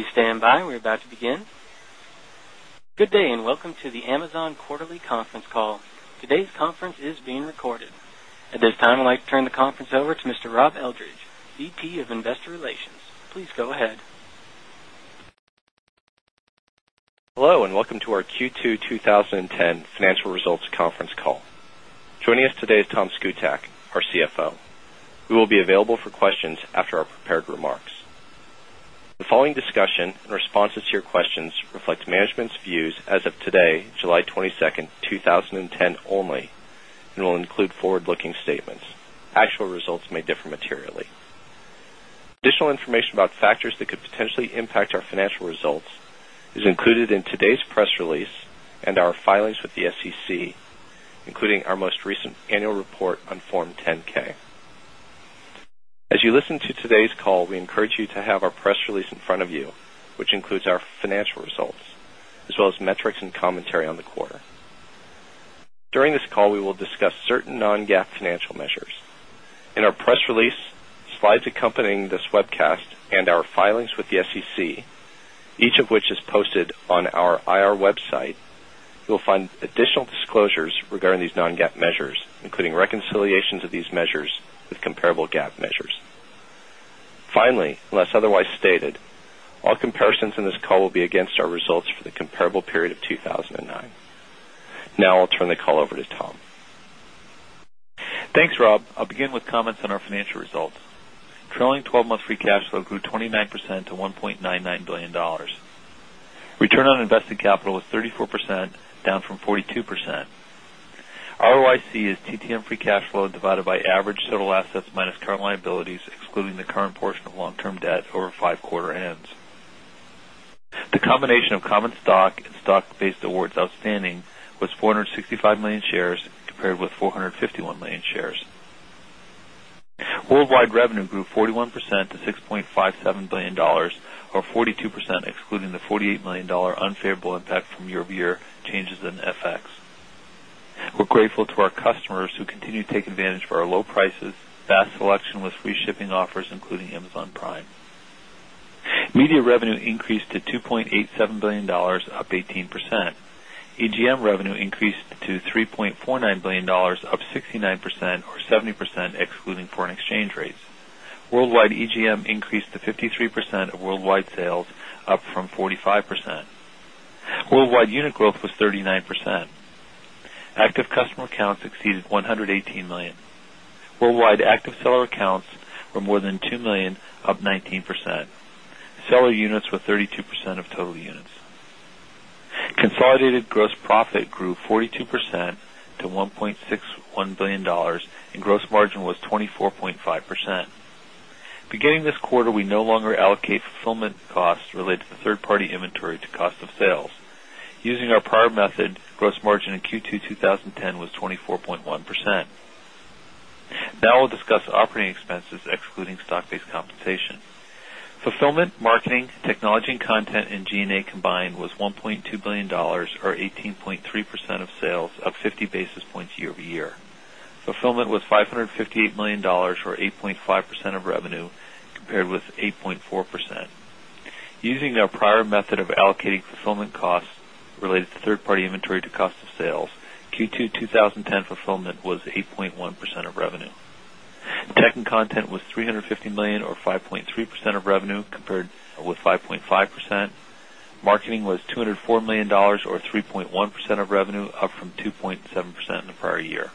Good day, and welcome to the Amazon Quarterly Conference Call. Today's conference is being recorded. At this time, I'd like to turn the conference over to Mr. Rob Eldridge, VP of Investor Relations. Please go ahead. Hello, and welcome to our Q2 twenty ten financial results conference call. Joining us today is Tom Scutak, our CFO. We will be available for questions after our prepared remarks. The following discussion and responses to your questions reflect management's views as of today, July 22, 2010 only, and will include forward looking statements. Actual results may differ materially. Additional information about factors that could potentially impact our financial results is included in today's press release and our filings with the SEC, including our most recent Annual Report on Form 10 ks. As you listen to today's call, we encourage you to have our press release in front of you, which includes our financial results, as well as metrics and commentary on the quarter. During this call, we will discuss certain non GAAP financial measures. In our press release, slides accompanying this webcast and our filings with the SEC, each of which is posted on our IR website, you will find additional disclosures regarding these non GAAP measures, including reconciliations of these measures with comparable GAAP measures. Finally, unless otherwise stated, all comparisons in this call will be against our results for the comparable period of 2,009. Now, I'll turn the call over to Tom. Thanks, Rob. I'll begin with on our financial results. Trailing 12 month free cash flow grew 29 percent to $1,990,000,000 Return on invested capital was 34%, down from 42%. ROIC is TTM free cash flow divided by average total assets current liabilities excluding the current portion of long term debt over 5 quarter ends. The combination of common stock and stock based awards outstanding was 465,000,000 shares compared with 451,000,000 shares. Worldwide revenue grew 41 percent to 6 $57,000,000,000 or 42 percent excluding the $48,000,000 unfavorable impact from year over year changes in FX. We're grateful to our customers who continue to take advantage for our low prices, fast selection with free shipping offers including Amazon Prime. Media revenue increased to 2 $87,000,000,000 up 18%. EGM revenue increased to $3,490,000,000 up 69% or 70% excluding foreign exchange rates. Worldwide EGM increased to 53% of worldwide sales, up from 45%. Worldwide unit growth was 39%. Active customer accounts exceeded $118,000,000 Worldwide active seller accounts were more than $2,000,000 up 19 percent. Seller units were 32% of total units. Consolidated gross profit grew 42 percent to $1,610,000,000 and gross margin was 24.5%. Beginning this quarter, we no longer allocate fulfillment costs related to 3rd party inventory to cost of sales. Using our prior method, gross margin in Q2, 2010 was 24.1 percent. Now, I'll discuss operating expenses excluding stock based compensation. Fulfillment, marketing, technology and content and G and A combined was $1,200,000,000 or 18.3 percent of sales, up 50 basis points year over year. Fulfillment was 5 $58,000,000 or 8.5 percent of revenue compared with 8.4%. Using our prior method of allocating fulfillment costs related to 3rd party inventory to cost of sales, Q2 twenty ten fulfillment was 8.1% of revenue. Tech and Content was $350,000,000 or 5.3 percent of revenue compared with 5.5 percent. Marketing was $204,000,000 or 3.1 percent of revenue, up from 2.7% in the prior year.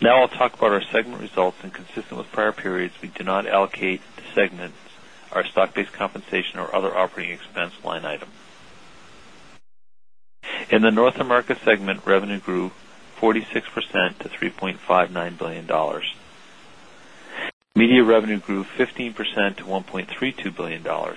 Now I'll talk about our segment results and consistent with prior segment, revenue grew 46 percent to $3,590,000,000 Media revenue grew 15% to 1 point $32,000,000,000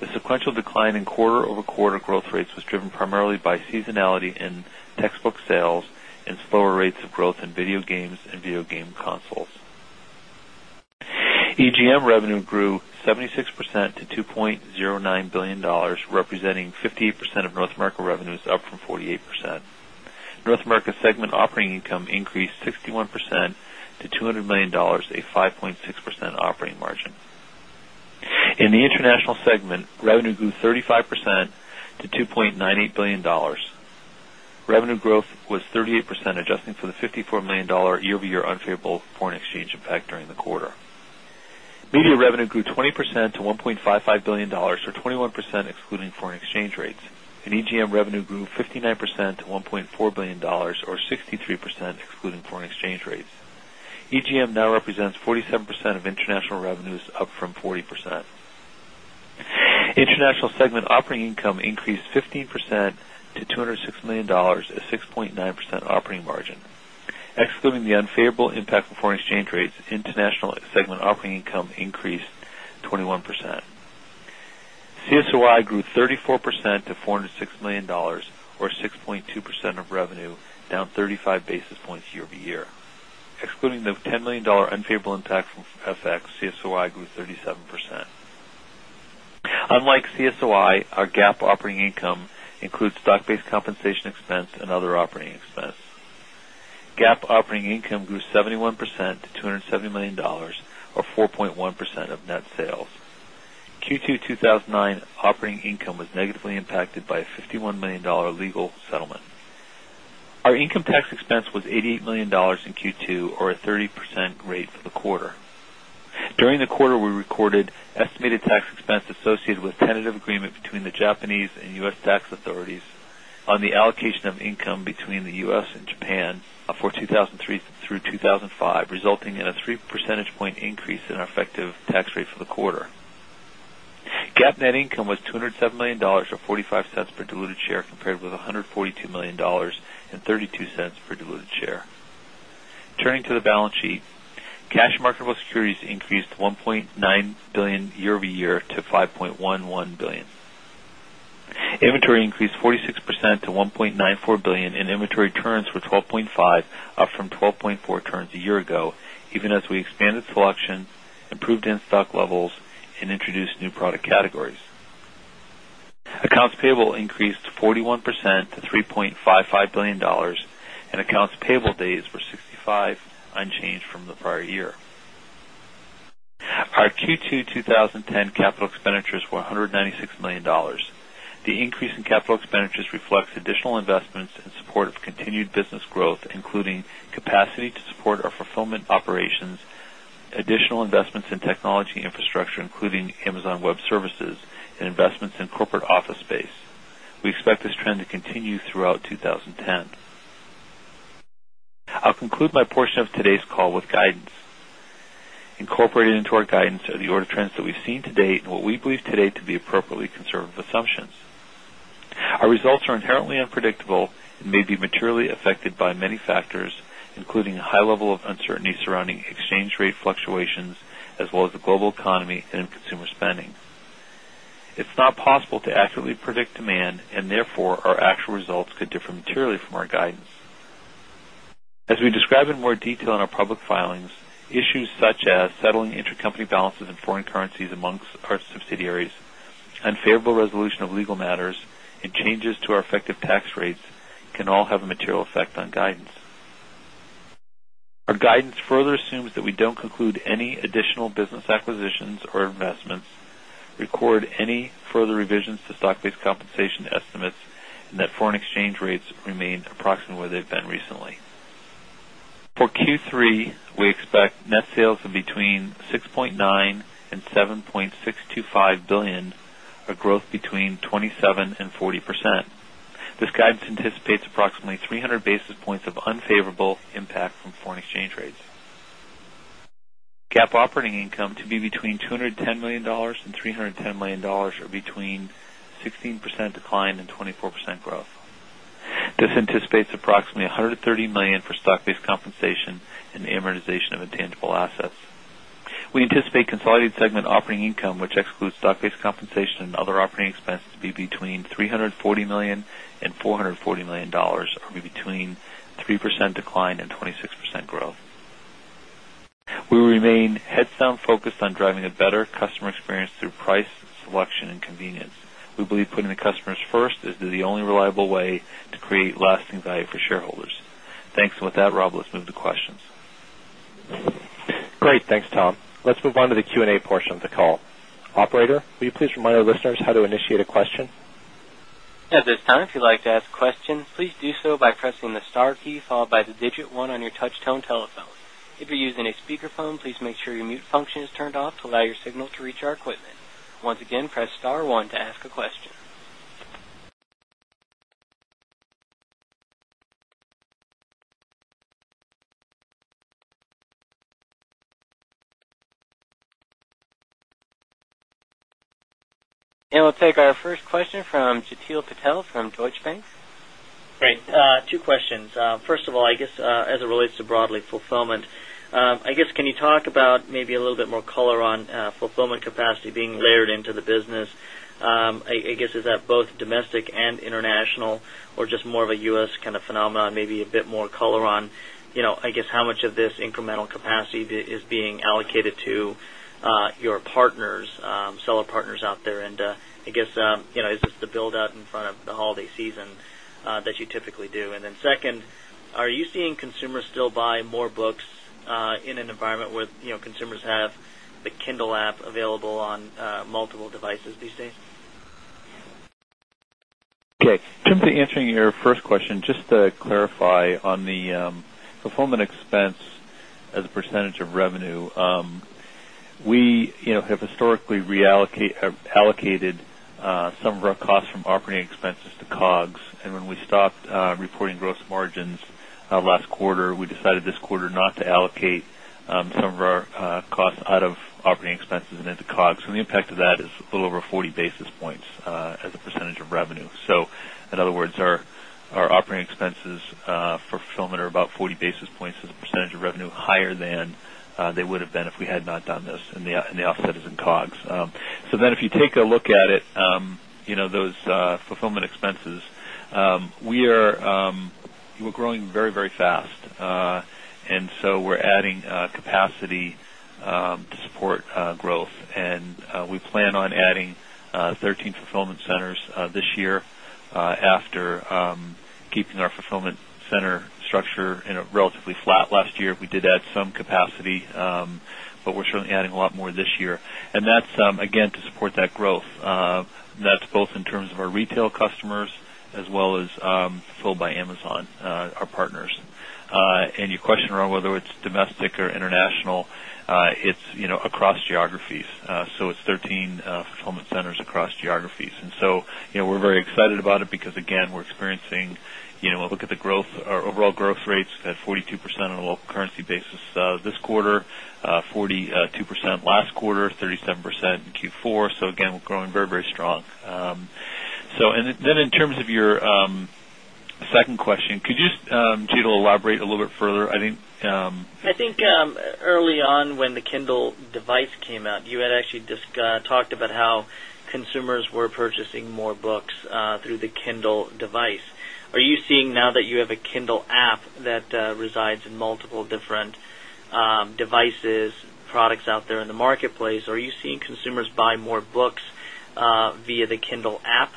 The sequential decline in quarter over quarter growth rates was driven primarily by seasonality in textbook sales and slower rates of growth in video games and video game consoles. EGM revenue grew 76 increased 61 percent to $200,000,000 a 5.6 percent operating margin. In the International segment, revenue grew 35 percent to $2,980,000,000 Revenue growth was 38% adjusting for the $54,000,000 year over year foreign exchange effect during the quarter. Media revenue grew 20 percent to $1,550,000,000 or 21% excluding foreign exchange rates, and EGM revenue grew 9 percent to $1,400,000,000 or 63% excluding foreign exchange rates. EGM now represents 47% of international revenues up from 40%. International segment operating income increased 15% to $206,000,000 a 6.9% a 6.9 percent operating margin. Excluding the unfavorable impact of foreign exchange rates, international segment operating income increased 21%. CSOI grew 34% to $406,000,000 or 6.2 percent of revenue, down 35 basis points year over year. Excluding the $10,000,000 unfavorable impact from FX, CSOI grew 37%. Unlike CSOI, our GAAP operating income includes stock based compensation expense and other operating expense. GAAP operating income grew 71% to $270,000,000 or 4.1 percent of net sales. Q2, 2019 operating income was negatively impacted by $51,000,000 legal settlement. Our income tax expense was $88,000,000 in Q2 or a 30 percent rate for the quarter. During the quarter, we recorded estimated tax expense associated with tentative agreement between the Japanese and U. S. Tax authorities on the allocation of income between the U. S. And Japan for 2,003 through 2,005 resulting in a 3 percentage point increase in our effective tax rate for the quarter. GAAP net income was $207,000,000 or 0 point and $42,000,000 $0.32 per diluted share. Turning to the balance sheet, cash marketable securities increased $1,900,000,000 year over year to $5,110,000,000 Inventory increased 46 percent to $1,940,000,000 and inventory turns were 12 point 5, up from 12.4 turns a year ago, even as we expanded selection, improved in stock levels and introduced new product categories. Accounts payable increased 41 percent to $3,550,000,000 and accounts payable days were 65, unchanged from the prior year. Our Q2 twenty 10 including capacity to support our fulfillment operations, additional investments in technology infrastructure, including Amazon Web Services, and investments in corporate office space. We expect this trend to continue throughout 20 10. I'll conclude my portion of today's call with guidance. Incorporated into our guidance are the order trends that we've seen to date and what we believe today to be appropriately conservative assumptions. Our results economy and consumer spending. It's not possible to accurately predict demand and therefore our actual results could differ materially from our guidance. As we describe in more detail in our public filings, issues such as settling intercompany balances in foreign currencies effect on guidance. Our guidance further assumes that we don't conclude any additional business acquisitions record any further revisions to stock based compensation estimates and that foreign exchange rates remain approximate where they've been recently. For Q3, we expect net sales of between $6,900,000,000 $7,625,000,000 dollars a growth between 27% 40%. This guidance anticipates approximately 300 basis points of unfavorable impact from foreign exchange rates. GAAP operating income to be between $210,000,000 $310,000,000 or between 16 percent decline and 24% growth. This anticipates approximately $130,000,000 for stock based compensation and intangible assets. We anticipate consolidated segment operating income, which excludes stock based compensation and other operating expense to be between $340,000,000 440 $1,000,000 or between 3% decline and 26% growth. We remain head sound focused on driving a better customer experience through price selection and convenience. We believe putting the customers first is the only reliable way to create lasting value for shareholders. Thanks. And with that, Rob, let's move to questions. Great. Thanks, Tom. Let's move on to the Q and A portion of the call. Operator, will you please remind our listeners how to initiate a And we'll take our first question from Jatil Patel from Deutsche Bank. Great. Two questions. First of all, I guess, as it relates to broadly fulfillment, I guess, can you talk about maybe a little bit more color on fulfillment capacity being layered into the business? I guess is that both domestic and international or just more of a U. S. Kind of phenomenon, maybe a bit more color on, I guess how much of this incremental capacity is being allocated to your partners, seller partners out there? And I guess, is this the build out in front of the holiday season that you typically do? And then second, are you seeing consumers still buy more books in an environment where consumers have the Kindle app available on multiple devices these days? Okay. In terms of answering your first question, just to clarify on the fulfillment expense as a percentage of revenue, we have historically reallocate have allocated some of our costs from operating expenses to COGS. And when we reporting gross margins last quarter, we decided this quarter not to allocate some of our costs out of operating expenses and into COGS. And the impact of that is a little over are about 40 basis points as a percentage of revenue higher than they would have been if we had not done this and the offset is in COGS. So then if you take a look at it, those fulfillment expenses, we are growing very, very fast. And so we're adding capacity to support growth and we plan on adding 13 fulfillment centers this year after keeping our fulfillment center structure relatively flat last year. We did add some customers as well as filled by Amazon, our partners. And your question around whether it's domestic or international, it's across geographies. So it's 13 fulfillment centers across geographies. And so we're very excited about it because again we're experiencing when we look at the growth our overall growth rates at 42% on a local currency basis this quarter, 42% last quarter, 37% in Q4. So again, we're growing very, very strong. So and then in terms of your second question, could you just, Jade, elaborate a little bit further? I think I think early on when the Kindle device came out, you had actually just talked about how consumers were purchasing more books through the Kindle device. Are you seeing now that you have a Kindle app that resides in multiple different devices, products out there in the marketplace, are you seeing consumers buy more books via the Kindle app?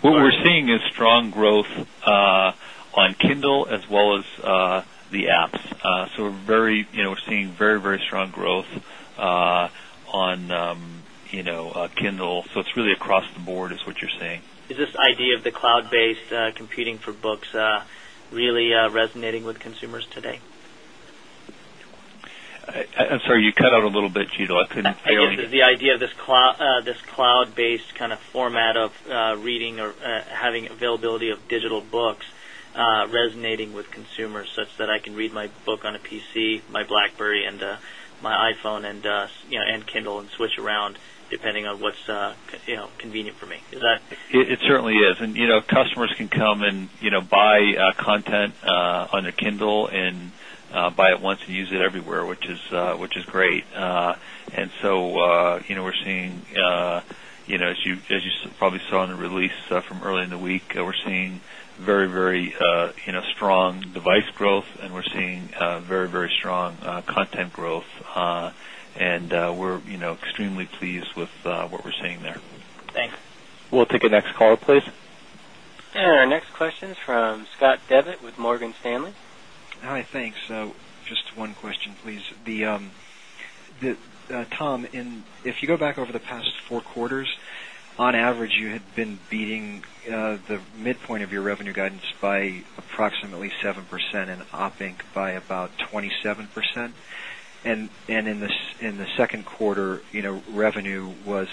What we're seeing is strong growth on Kindle as well as the apps. So we're seeing very, very strong growth on Kindle. So it's really across the board is what you're seeing. Is this idea of the cloud based computing for books really resonating with consumers today? I'm sorry, you cut out a little bit, Gito. The idea of this cloud based kind of format of reading or having availability of digital books resonating with consumers, such that I can read my book on a PC, my Blackberry and my iPhone and Kindle and switch around depending on what's convenient for me. Is that? It certainly is. And customers can come and buy content on their Kindle and buy it once and use it everywhere, which is great. And so we're seeing, as you probably saw in the release from early in the week, we're seeing very, very strong device growth and we're seeing very, very strong content growth and we're extremely pleased with what we're seeing there. Thanks. We'll take the next caller please. And our next question is from Scott Debit with Morgan Stanley. Hi, thanks. Just one question please. Tom, if you go back over the past 4 quarters, on average you had been beating the midpoint of your revenue guidance by approximately 7% and op inc by about 27%. And in the Q2, revenue was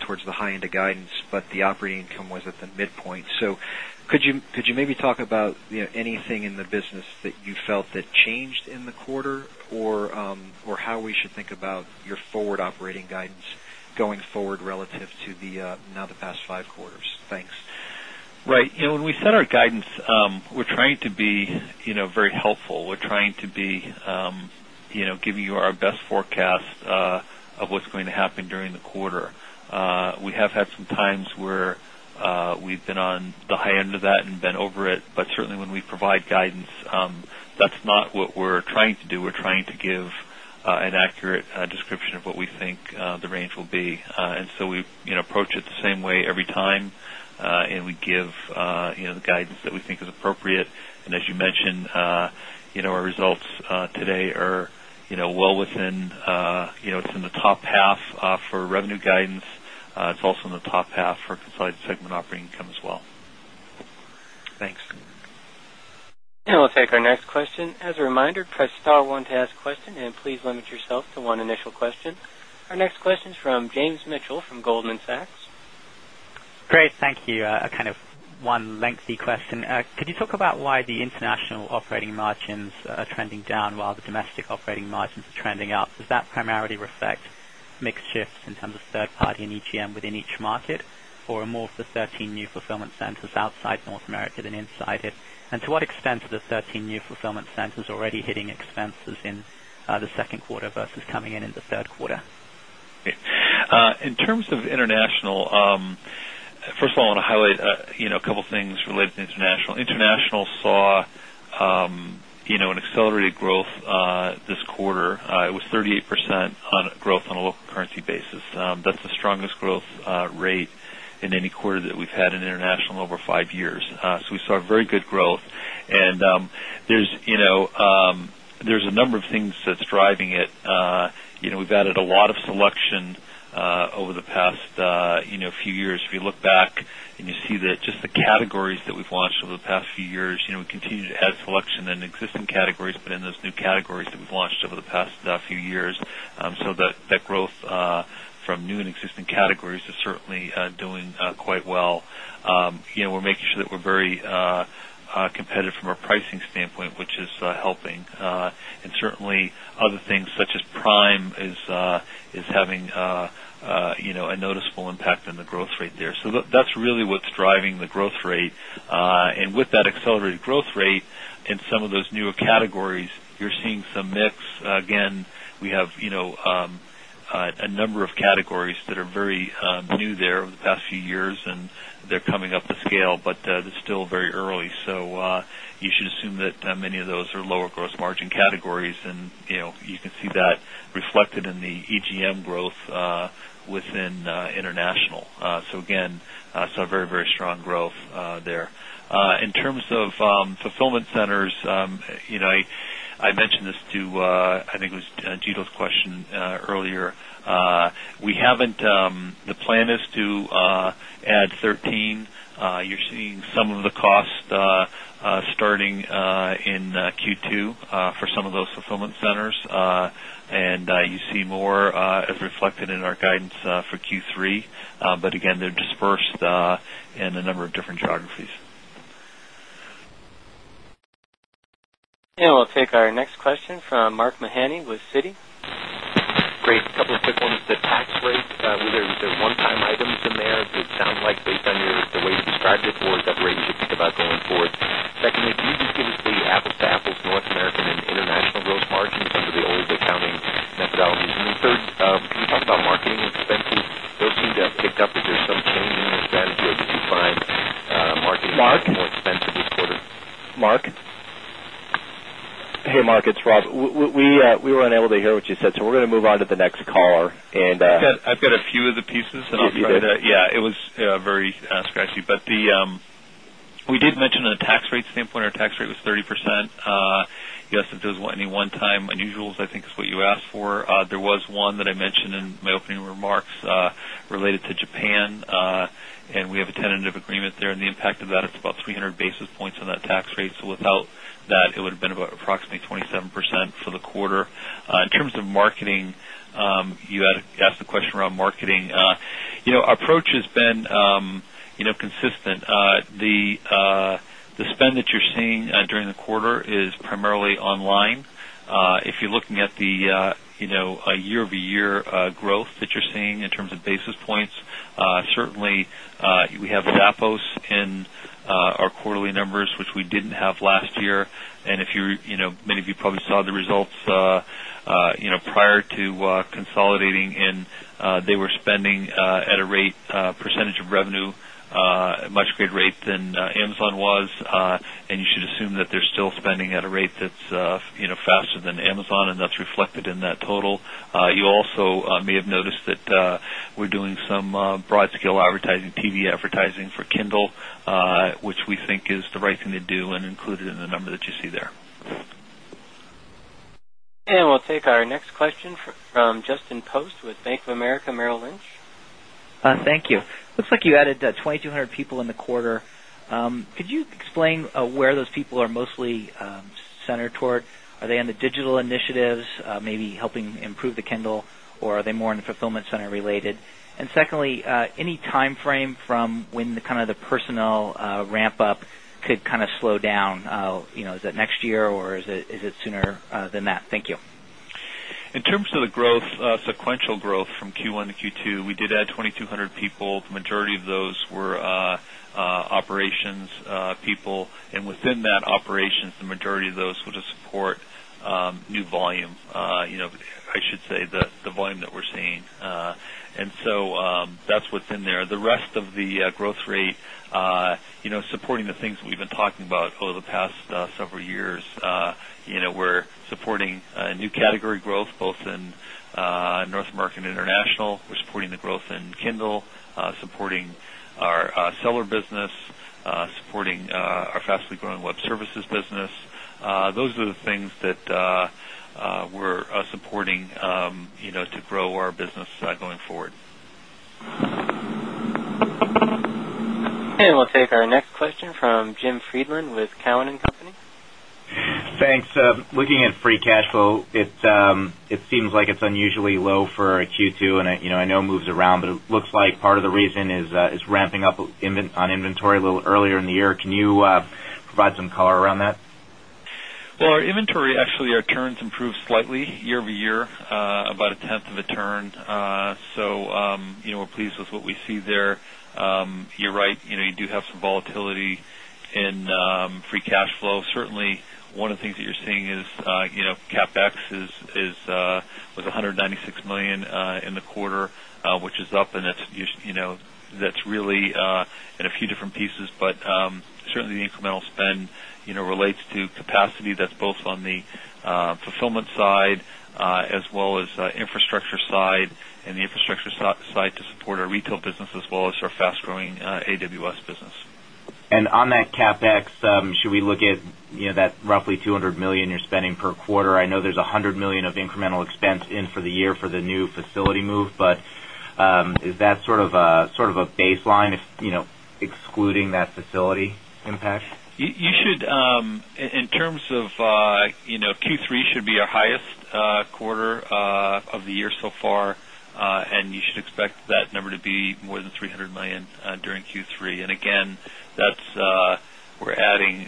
towards the high end of guidance, but the operating income was at the midpoint. So could you maybe talk about anything in the business that you felt that changed in the quarter? Or how we should think about your forward operating guidance going forward relative to the now the past five be very helpful. We're trying to be giving you our best forecast of what's going to happen during the quarter. We have had some times where we've been on the high end of that and been over it, but certainly when we provide guidance, that's not what we're trying to do. We're trying to give an accurate description of what we think the range will be. And so we approach it the same way every time, and we give the guidance that we think is appropriate. And as you mentioned, our results today are well within it's in the top half for revenue guidance. It's also in the top half for consolidated segment operating income as well. Thanks. And we'll take our next question. Our next question is from James Mitchell from Goldman Sachs. Kind of one lengthy question. Could you talk about why the international operating margins are trending down while the domestic operating margins are trending up? Does that primarily reflect mix shifts in terms of 3rd party and EGM within each market or more of the 13 new fulfillment centers outside North America than inside it? And to what extent are the 13 new fulfillment centers already hitting expenses in the Q2 versus coming in, in the Q3? In terms of international, first of all, I want to highlight a couple of things related to international. International saw an accelerated growth this quarter. It was 38% growth on a local currency basis. That's the strongest you know there's a number of things that's driving it. We've added a lot of selection over the past few years. If you look back and you see that just the categories that we've launched over the past few years, we continue to add selection in existing categories, but in those new categories that we've launched over the past few years. So that growth from new and existing categories is certainly doing quite well. We're making sure that we're very competitive from a pricing standpoint, which is helping. And certainly, other things such as prime is having a noticeable impact on the growth rate there. So that's really what's driving the growth rate. And with that accelerated growth rate in some of those newer categories, you're seeing some mix. Again, we have a number of categories that are very new there over the past few years and they're coming up the scale, but it's still very early. So you should assume that many of those are lower gross margin categories and you can see that reflected in the EGM growth within international. So again, saw very, very strong growth there. In terms of fulfillment centers, I mentioned this to I think it was Jeetel's question earlier. We haven't the plan is to add 13. You're seeing some of the costs starting in Q2 for some of those fulfillment centers, and you see more as reflected in our guidance for Q3. But again, they're dispersed in a number of different geographies. And we'll take our next question from Mark Mahaney with Citi. Great. A couple of quick ones. The tax rate, whether you're onetime items in there, it sounds like based on your the way you described it for, is that rate you should think about going forward? Secondly, can you just give us the apples to apples North American and international gross margins under the old accounting methodologies? And then 3rd, can you talk about marketing expenses? Those seem to have picked up. Is there some change in the strategy or did you find marketing expenses more expensive this Mark? Hey, Mark, it's Rob. We were unable to hear what you said. So we're going to move on to the next caller. I've got a few of the pieces and I'll give you the yes, it was very scratchy. But the we did mention on a tax rate standpoint, our tax rate was 30 percent. Yes, if there's any one time unusuals, I think is what you asked for. There was one that I mentioned in my opening remarks related to Japan, and we have a tentative agreement there. And the impact of that, it's about 300 basis points on that tax rate. So without that, it would have been about approximately 27% for the quarter. In terms of marketing, you asked the question around marketing. Our Our approach has been consistent. The spend that you're seeing during the quarter is primarily online. If you're looking at the year over year growth that you're seeing in terms of basis points, certainly, we have Zappos in our quarterly numbers, which we didn't have last year. And if you many of you probably saw the results consolidating and they were spending at a rate percentage of revenue, a much greater rate than Amazon was. And you should assume that they're still spending at a rate that's faster than Amazon and that's reflected in that total. You also may have noticed that we're doing some broad scale advertising, TV advertising for Kindle, which we think is the right thing to do and included in the number that you see there. And we'll take our next question from Justin Post with Bank of America Merrill Lynch. Thank you. Looks like you added 2,200 people in the quarter. Could you explain where those people are mostly centered toward? Are they in the digital initiatives, maybe helping improve the Kindle or are they more in the fulfillment center related? And secondly, any timeframe from when the kind of the personnel ramp up could kind of slow down? Is it next year or is it sooner than that? Thank you. In terms of the growth, sequential growth from Q1 to Q2, we did add 2,200 people. The majority of those were operations people and within that operations, the majority of those would support new volume. I should say the volume that we're seeing. And so that's what's in there. The rest of the growth rate supporting the things we've been talking about over the past several years, We're supporting new category growth both in North America and international. We're supporting the growth in Kindle, supporting our seller business, supporting our fastly growing Web Services business. Those are the things that we're supporting to grow our business going forward. And we'll take our next it's unusually low for Q2 and I know it moves around, but it looks like part of the reason is ramping up on inventory a little earlier in the year. Can you provide some color around that? Well, our inventory actually our turns improved slightly year over year, about a tenth of a turn. We're pleased with what we see there. You're right, you do have some volatility in free cash flow. Certainly, one of the things that you're seeing is CapEx is was $196,000,000 in the quarter, which is up and that's really in a few different pieces, but certainly the incremental spend relates to capacity that's both on the fulfillment side as well as infrastructure side and the infrastructure side to support our retail business as well as our fast growing AWS business. On that CapEx, should we look at that roughly $200,000,000 you're spending per quarter? I know there's $100,000,000 of incremental expense in for the year for the new facility move, but is that sort of a baseline excluding that facility impact? You should in terms of Q3 should be our highest quarter of the year so far and you should expect that number to be more than $300,000,000 during Q3. And again, that's we're adding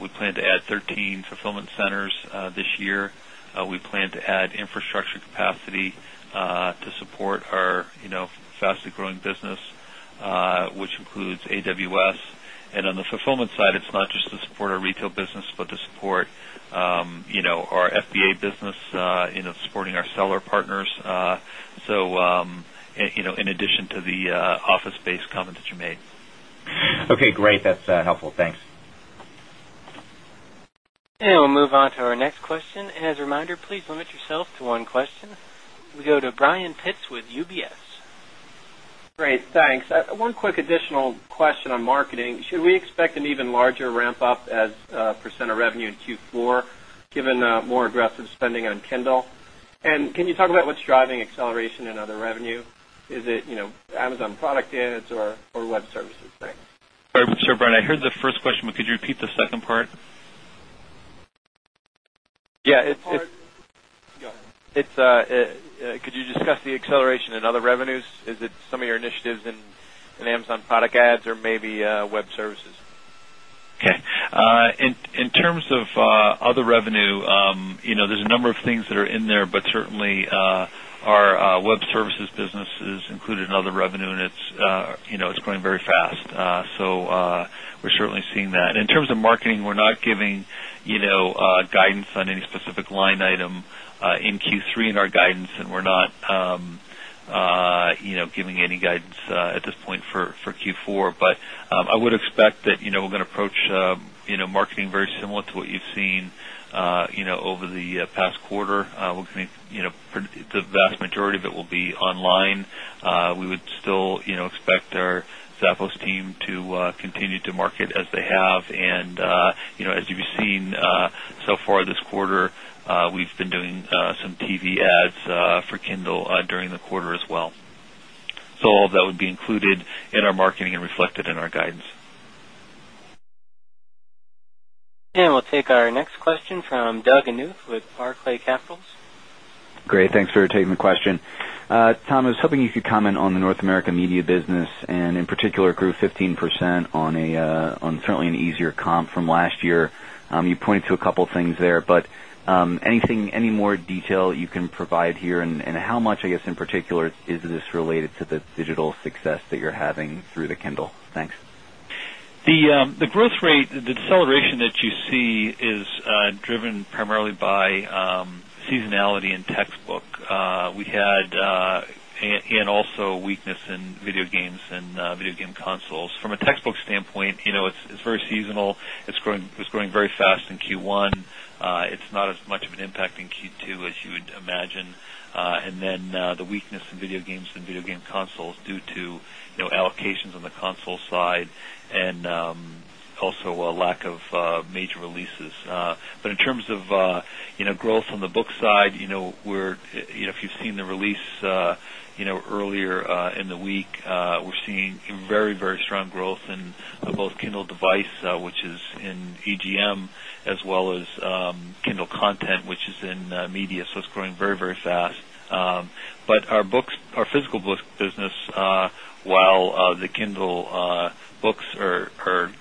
we plan to add 13 fulfillment centers this year. We plan to add infrastructure capacity to support our fast growing business, which includes AWS. And on the fulfillment side, it's not just to support our retail business, but to support our FBA business, supporting our seller partners, so in addition to the office based comments that you made. We go to Brian Pitzer with UBS. Great, thanks. One quick additional question on marketing. Should we expect an even larger ramp up as percent of revenue in Q4 given more aggressive spending on Kindle? And can you talk about what's driving acceleration in other revenue? Is it Amazon product units or Web Services? Thanks. Sorry, Mr. Brian. I heard the first question, but could you repeat the second part? Yes. Could you discuss the acceleration in other revenues? Is it some of your initiatives in Amazon product ads or maybe Web Services? Okay. In terms of other revenue, there's a number of things that are in there, but certainly our Web Services business is included in other revenue and it's growing very fast. So we're certainly seeing that. And in terms of marketing, we're not giving guidance on any specific line item in Q3 in our guidance and we're not giving any guidance at this point for Q4. But I would expect that we're going to approach marketing very similar to what you've seen over the past quarter. We're seeing the vast majority of it will be online. We would still expect our Zappos team to continue to market as they have. And as you've seen so far this quarter, we've been doing some TV ads for Kindle during the quarter as well. So all of that would be included in our marketing and reflected in our guidance. And we'll take our next question from Doug Anuth with Barclays Capital. Great. Thanks for taking the question. Tom, I was hoping you could comment on the North America Media business and in particular grew 15% on certainly an easier comp from last year. You pointed to a couple of things there, but anything any more detail you can provide here? And how much, I guess, in particular is this related to the digital success that you're having through the Kindle? Thanks. The growth rate, the deceleration that you see is driven primarily by seasonality in textbook. We had and also weakness in video games and video game consoles. From a textbook standpoint, it's very seasonal. It's growing very fast in Q1. It's not as much of an impact in Q2 as you would imagine. And then the weakness in video games and video game consoles due to allocations on the console side and also a lack of major releases. But in terms of growth on the book side, we're if you've seen the very, very strong growth in both Kindle device, which is in AGM as well as Kindle content, which is in media. So it's growing very, very fast. But our books our physical book business, while the Kindle books are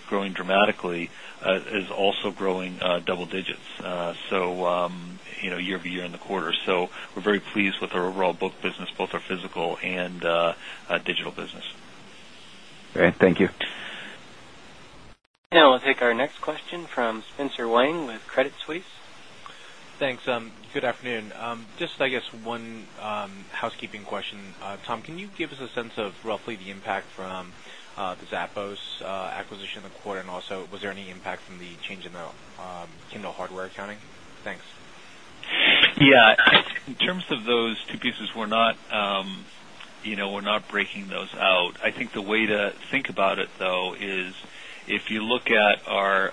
growing dramatically, is also growing double digits, so year over year in the quarter. So we're very pleased with our overall book business, both our physical and digital business. Great. Thank And we'll take our next question from Spencer Wang with Credit Suisse. Thanks. Good afternoon. Just I guess one housekeeping question. Tom, can you give us a sense of roughly the impact from Zappos acquisition in the quarter? And also was there any impact from the change in the Kindle hardware accounting? Thanks. Yes. In terms of those two pieces, we're not breaking those out. I think the way to think about it though is, if you look at our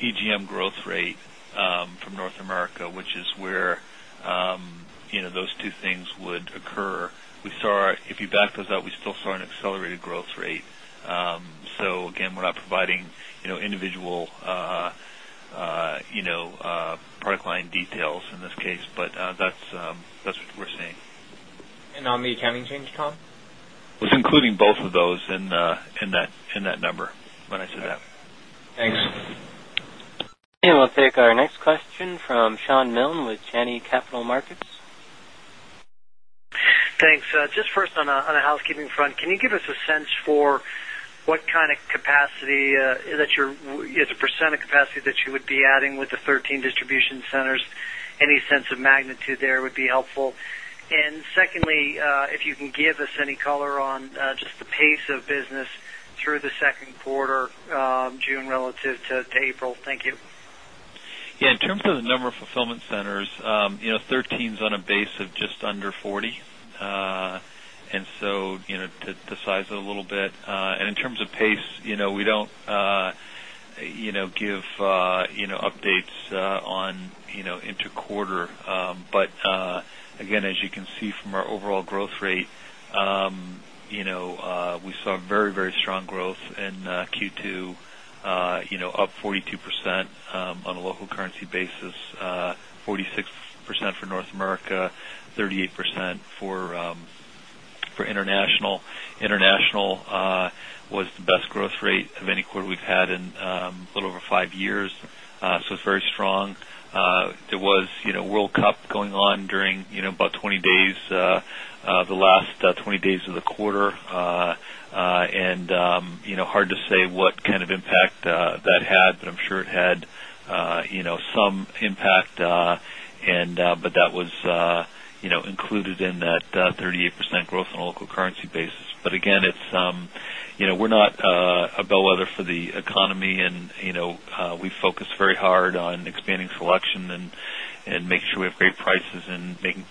EGM growth rate from North America, which is where those two things would occur, we saw if you back those out, we still saw an accelerated growth rate. So again, we're not providing individual product line details in this case, but that's what we're seeing. And on the accounting change, Tom? It was including both of those in that number when I said that. Thanks. And we'll take our next question from Sean Milne with Janney Capital Markets. Thanks. Just first on the housekeeping front. Can you give us a sense for what kind of capacity that you're as a percent of capacity that you would be adding with the 13 distribution centers? Any sense of magnitude there would be helpful. And secondly, if you can give us any color on just the pace of business through the Q2, June relative to April? Thank you. Yes. In terms of the number of fulfillment centers, 13 is on a base of just under 40. And so to size it a little bit. And in terms of pace, we don't give updates on inter quarter. But again, as you can see from our overall growth rate, we saw very, very strong growth in Q2, 42% on a local currency basis, 46% for North America, 38% for international. International was the best growth rate of any quarter we've had in a little over 5 years. So it's very strong. There was World Cup going on during about 20 days, the last 20 days of the quarter and hard to say what kind of impact that had, but I'm sure it had some impact and but that was included in that 38% growth on a local currency basis. But again, it's we're not a bellwether for the economy and we focus very hard on expanding selection and make sure we have great prices and making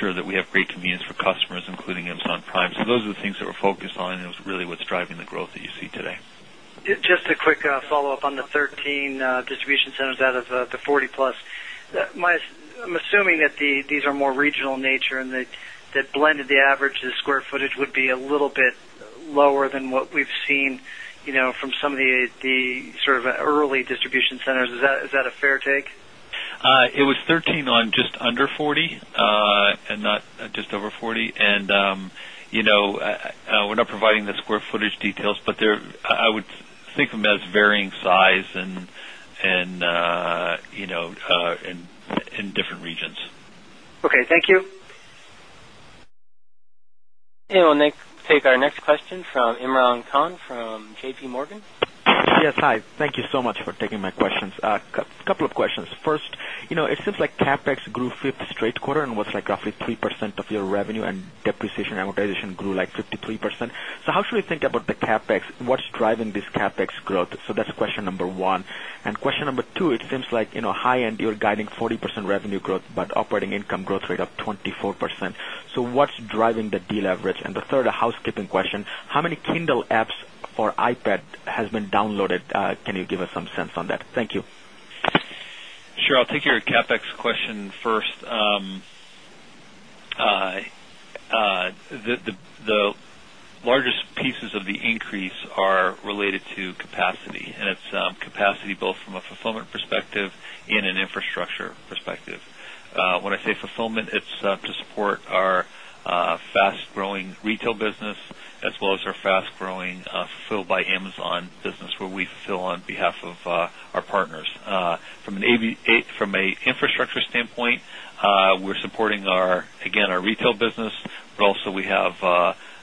sure that we have great convenience for customers including Amazon Prime. So those are things that we're focused on and it was really what's driving the growth that you see today. Just a quick follow-up on the 13 distribution centers out of the 40 plus. I'm assuming that these are more regional nature and that blended the average square footage would be a little bit lower than what we've seen from some of the sort of early distribution centers. Is that a fair take? It was 13 on just under 40 and not just over 40. And we're not providing the square footage details, but I would think of them as varying size in different regions. Okay. Thank you. And we'll take our next question from Imran Khan from JPMorgan. Yes. Hi. Thank you so much for taking my questions. A couple of questions. First, it seems like CapEx grew 5th straight quarter and was like roughly 3% of your revenue and depreciation and amortization grew like 53%. So how should we think about the CapEx? What's driving this CapEx growth? So that's question number one. And question number 2, it seems like high end you're guiding 40% revenue growth, but operating income growth rate of 24%. So what's driving the deleverage? And the third, a housekeeping question, how many Kindle apps for iPad has been downloaded? Can you give us some sense on that? Thank you. Sure. I'll take your CapEx question first. The largest pieces of the increase are related to capacity and it's capacity both from a fulfillment perspective and an infrastructure perspective. When I say fulfillment, it's to support our fast growing retail business as well as our fast growing Fulfilled by Amazon business where we on behalf of our partners. From an infrastructure standpoint, we're supporting our again our retail business, but also we have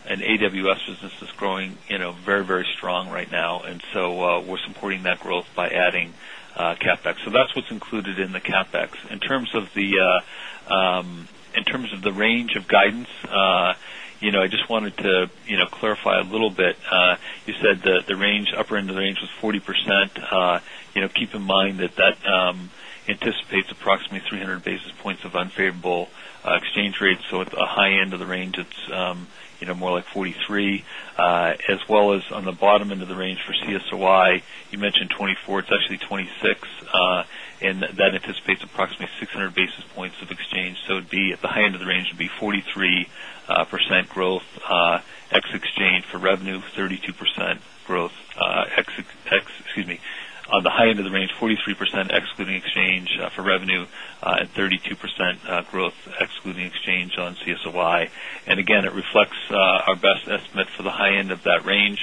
an AWS business that's growing very, very strong right now. And so we're supporting that growth by adding CapEx. So that's what's included in the CapEx. In terms of the range of guidance, I just wanted to clarify a little bit. You said the range, upper end of the range was 40%. Keep in mind that that anticipates approximately 300 basis points of unfavorable exchange rates. So at the high end of the range, it's more like 43%, as well as on the bottom end of the range for CSOI, you mentioned 24%, it's actually 26%, and that anticipates approximately 600 basis points of exchange. So it would be at the high of the range, it would be 43% growth ex exchange for revenue 32% growth ex on the high end of the range, 43% excluding exchange for revenue and 32% growth excluding exchange on CSOI. And again, it reflects our best estimate for the high end of that range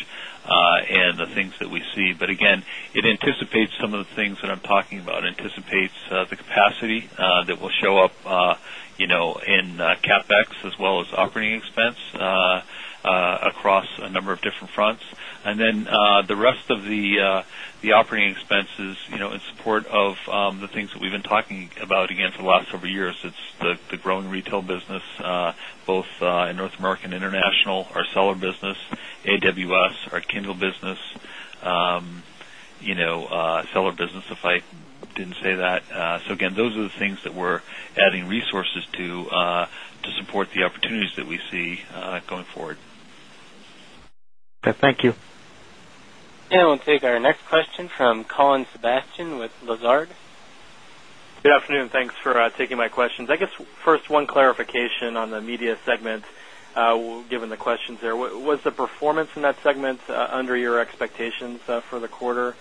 and the things that we see. But again, it anticipates some of the things that I'm talking about. It anticipates the capacity that will show up in CapEx as well as operating expense across a number of different fronts. And then the rest of the operating expenses in support of the things that we've been talking about again for the last several years, it's the growing retail business, both in North America and international, our seller business, AWS, our Kindle business, seller business, if I didn't say that. So again, those are the things that we're adding resources to support the opportunities Sebastian with Lazard. Good afternoon. Thanks for Sebastian with Lazard. Good afternoon. Thanks for taking my questions. I guess first one clarification on the Media segment, given the questions there. Was the performance in that segment under your expectations for the quarter?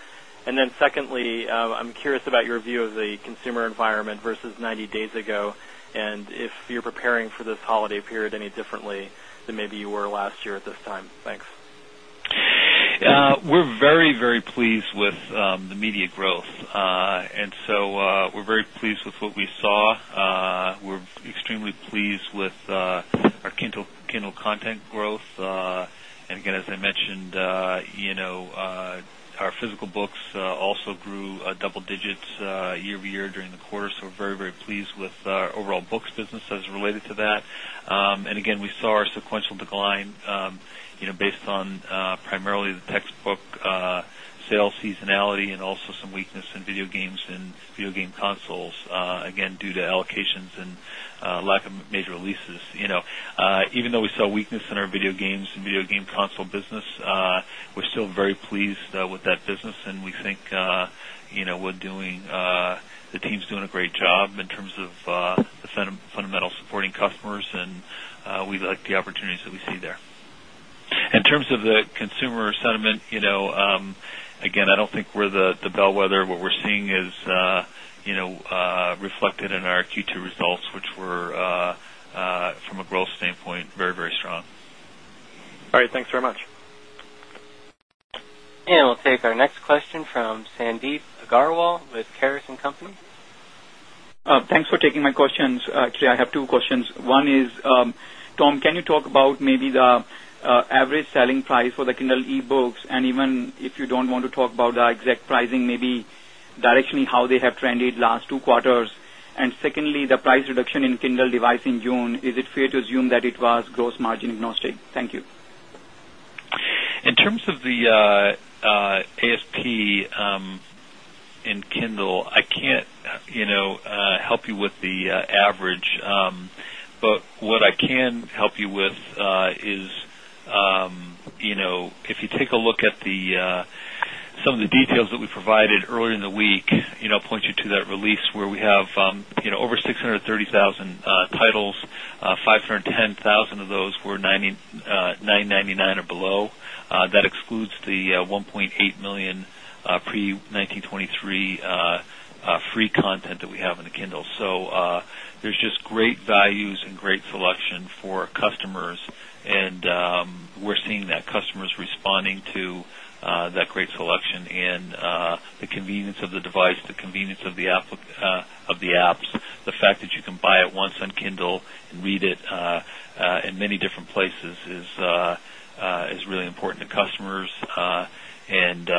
And then secondly, I'm curious about your view of the consumer environment versus 90 days ago and if you're preparing for this holiday period any differently than maybe you were last year at this time? Thanks. We're very, very pleased with the media growth. And so we're very pleased with what we saw. We're extremely pleased with our Kindle content growth. And again, as I mentioned, our physical books also grew double digits year over year during the quarter. So we're very, very pleased with our overall books business as related to that. And again, we saw our sequential decline based on primarily the textbook sales Even though we saw weakness in our video games and video game console business, we're still very pleased with that business and we think we're doing the team is doing a great job in terms of the fundamental supporting customers and we like the opportunities that we see there. In terms of the consumer sentiment, again, I don't think we're the bellwether. What we're seeing is reflected in our Q2 results, And And we'll take our next question from Sandeep Agarwal with Karas and Company. Thanks for taking my questions. Actually, I have two questions. One is, Tom, can you talk about maybe the average selling price for the Kindle e books? And even if you don't want to talk about the pricing, maybe directionally how they have trended last 2 quarters? And secondly, the price reduction in Kindle device in June, it fair to assume that it was gross margin agnostic? Thank you. In terms of the ASP in Kindle, I can't help you with the average. But what I can help you with is, if you take a look at the some of the details that we provided earlier in the week, point you to that release where we have over 630,000 titles, 510,000 of those were $9.99 or below. That excludes the $1,800,000 pre-nineteen 23 free content that we have in the Kindle. So there's just great values and great selection for customers and we're seeing that customers responding to that great selection in the convenience of the device, the convenience of the apps, the fact that you can buy it once on Kindle and read it in many different places is really important to customers. And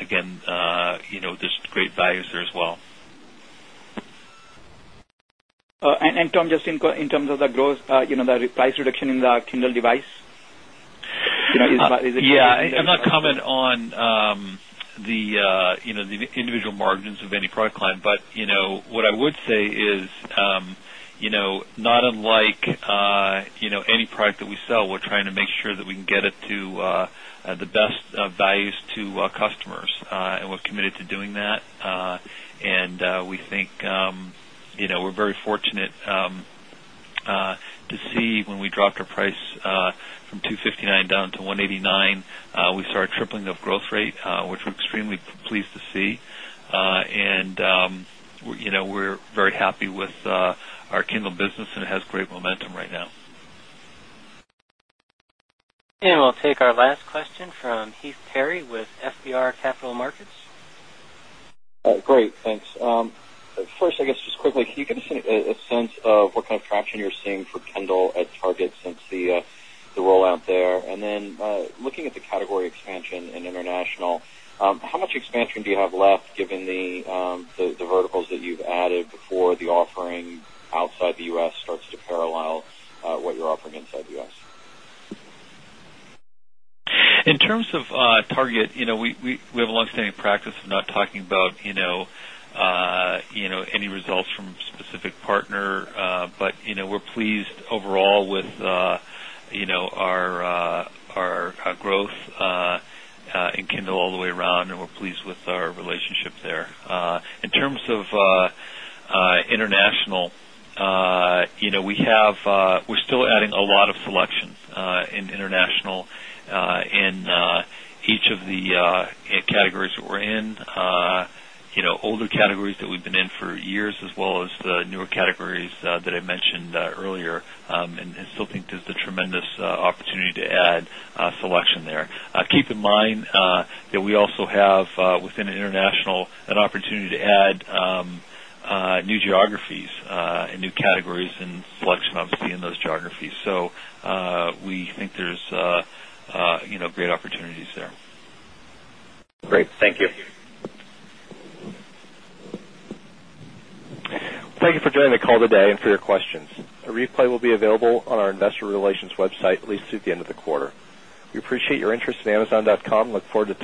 again, there's great values there as well. And Tom, just in terms of the growth, the price reduction in the Kindle device? Yes. I'm not commenting on the best values to customers. Get it to the best values to customers and we're committed to doing that. And we think we're very fortunate to see when we dropped our price from $2.59 down to $1.89 we started tripling the growth rate, which we're extremely pleased to see. And we're very happy with our kingdom business and it has great momentum right now. And we'll take our last question from Heath Terry with FBR Capital Markets. Great. Thanks. First, I guess, just quickly, can you give us a sense of what kind of traction you're seeing for Kendall at Target since the rollout there? And then looking at the category expansion in international, how much expansion do you have left given the verticals that you've added before the offering outside the U. S. Starts to parallel what you're offering inside the U. S? In terms of Target, we have a longstanding practice of not talking about any results from specific partner, but we're pleased overall with our growth in Kendall all the way around and we're pleased with our relationship there. In terms of international, we have we're still adding a lot of selections in international in each of the categories that we're in, older categories that we've been in selection there. Keep in mind that we also have, add selection there. Keep in mind that we also have within international an opportunity to add categories and selection obviously in those geographies. So we think there's great opportunities there. Great. Thank you. Thank you for joining the call today and for your questions. A replay will be available on our Investor Relations website at least through the end of the quarter. We appreciate your interest in amazon.com and look forward to